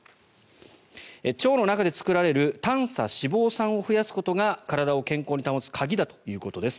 腸の中で作られる短鎖脂肪酸を増やすことが体を健康に保つ鍵だということです。